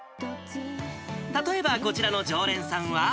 例えばこちらの常連さんは。